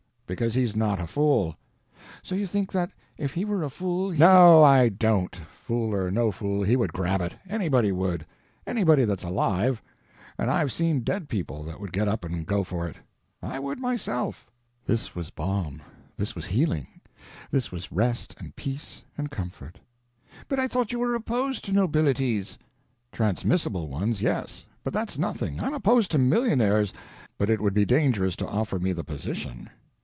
Because he's not a fool." "So you think that if he were a fool, he—" "No, I don't. Fool or no fool, he would grab it. Anybody would. Anybody that's alive. And I've seen dead people that would get up and go for it. I would myself." p148.jpg (24K) This was balm, this was healing, this was rest and peace and comfort. "But I thought you were opposed to nobilities." "Transmissible ones, yes. But that's nothing. I'm opposed to millionaires, but it would be dangerous to offer me the position."